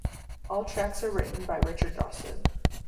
All tracks are written by Richard Dawson.